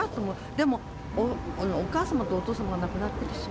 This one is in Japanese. でも、お母様とお父様が亡くなったでしょ。